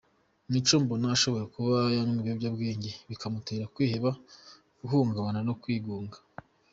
Mico mbona ashobora kuba anywa ibiyobyabwenge bikamutera kwiheba, guhungabana no kwigunga.